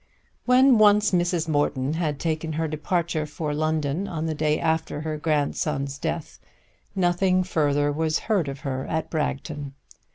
When once Mrs. Morton had taken her departure for London, on the day after her grandson's death, nothing further was heard of her at Bragton.